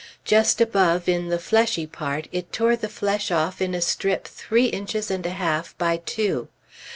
Just above, in the fleshy part, it tore the flesh off in a strip three inches and a half by two.